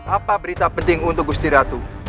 apa berita penting untuk gusti ratu